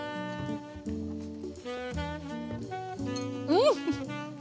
うん！